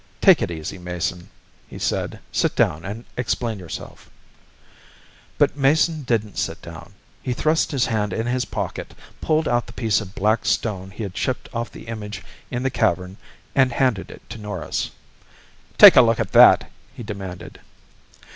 "Take it easy, Mason," he said. "Sit down and explain yourself." But Mason didn't sit down. He thrust his hand in his pocket, pulled out the piece of black stone he had chipped off the image in the cavern and handed it to Norris. "Take a look at that!" he demanded.